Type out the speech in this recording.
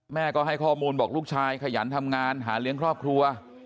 แม่ก็ให้ข้อมูลบอกลูกชายขยันทำงานหาเลี้ยงครอบครัว